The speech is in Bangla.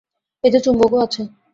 এতে চুম্বকও আছে।